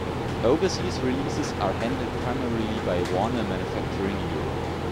Overseas releases are handled primarily by Warner Manufacturing Europe.